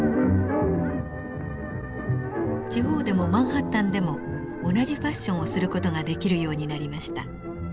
地方でもマンハッタンでも同じファッションをする事ができるようになりました。